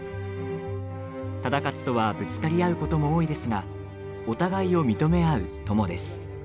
忠勝とはぶつかり合うことも多いですがお互いを認め合う友です。